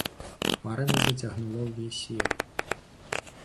Хмарамі зацягнула ўвесь свет.